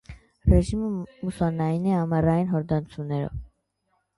Ռեժիմը մուսսոնային է, ամառային հորդացումներով։